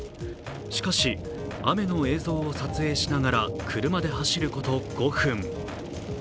しかし、雨の映像を撮影しながら車で走ること５分。